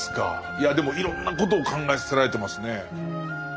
いやでもいろんなことを考えさせられてますね。